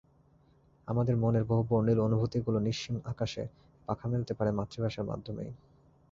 আমাদের মনের বহু বর্ণিল অনুভূতিগুলো নিঃসীম আকাশে পাখা মেলতে পারে মাতৃভাষার মাধ্যমেই।